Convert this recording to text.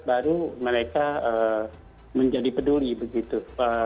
baru mereka menjadi peduli begitu